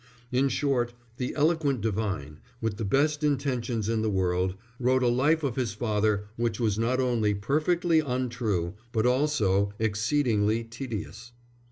In short, the eloquent divine, with the best intentions in the world, wrote a life of his father which was not only perfectly untrue, but also exceedingly tedious.